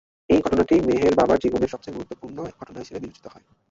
এই ঘটনাটি মেহের বাবার জীবনের সবচেয়ে গুরুত্বপূর্ণ ঘটনা হিসেবে বিবেচিত হয়।